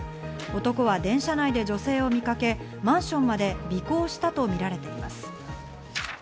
男は電車内で女性を見かけ、マンションまで尾行したとみられています。